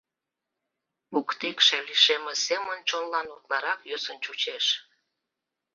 Воктекше лишемме семын чонлан утларак йӧсын чучеш.